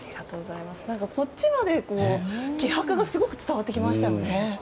こっちまで気迫が伝わってきましたよね。